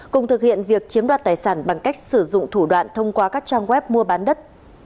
cùng thực hiện việc chiếm đoạt tài sản bằng cách sử dụng thủ đoạn thông qua các trang web mua bán đất